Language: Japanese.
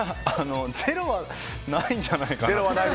０はないんじゃないかなと。